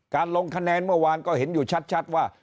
ลงคะแนนเมื่อวานก็เห็นอยู่ชัดว่า